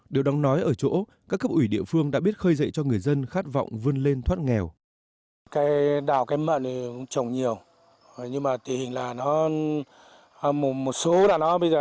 điều đáng nói ở chỗ các cấp ủy địa phương đã biết khơi dậy cho người dân khát vọng vươn lên thoát nghèo